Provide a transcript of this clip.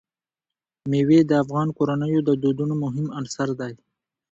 مېوې د افغان کورنیو د دودونو مهم عنصر دی.